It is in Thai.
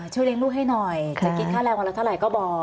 ช่วยเลี้ยงลูกให้หน่อยจะกินค่าแรงวันละเท่าไหร่ก็บอก